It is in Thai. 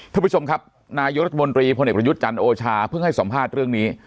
ท่านผู้ชมครับนายรัฐมนตรีพลเอกประยุทธ์จันทร์โอชาเพิ่งให้สัมภาษณ์เรื่องนี้